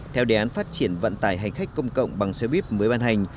theo đề án phát triển vận tải hành khách công cộng bằng xe buýt mới ban hành